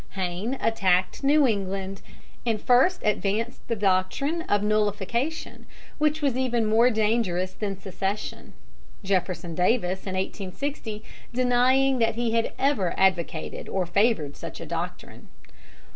Hayne attacked New England, and first advanced the doctrine of nullification, which was even more dangerous than secession, Jefferson Davis in 1860 denying that he had ever advocated or favored such a doctrine.